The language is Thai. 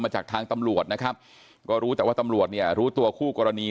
จากทางตำรวจนะครับก็รู้แต่ว่าตำรวจเนี่ยรู้ตัวคู่กรณี